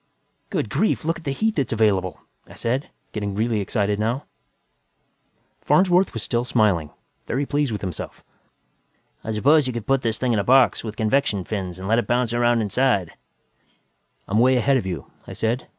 "Good Lord, look at the heat that's available!" I said, getting really excited now. Farnsworth was still smiling, very pleased with himself. "I suppose you could put this thing in a box, with convection fins, and let it bounce around inside " "I'm way ahead of you," I said.